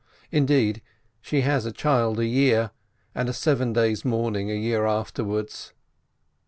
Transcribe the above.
Indeed, she has a child a year — and a seven days' mourning a year afterwards.